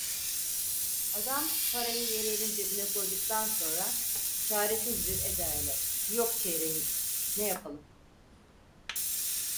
Adam parayı yeleğinin cebine koyduktan sonra, çaresiz bir eda ile: "Yok çeyreğim, ne yapalım!"